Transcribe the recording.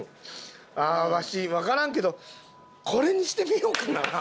ああーわしわからんけどこれにしてみようかな？